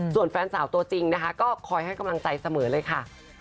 ส่วนแฟนสาวตัวจริงนะคะก็คอยให้กำลังใจเสมอเลยค่ะ